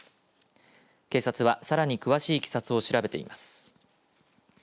警察はさらに詳しいいきさつを調べています。